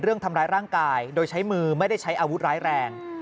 เรื่องทำร้ายร่างกายโดยใช้มือไม่ได้ใช้อาวุธร้ายแรง